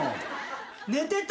寝てた？